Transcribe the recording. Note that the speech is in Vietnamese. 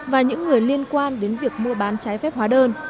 và những người liên quan đến việc mua bán trái phép hóa đơn